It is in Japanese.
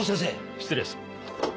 失礼する。